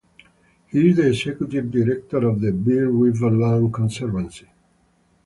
He is the executive director of the Bear River Land Conservancy.